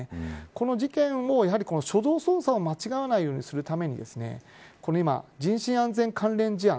この事件を、初動捜査を間違わないようにするために今、人身安全関連事案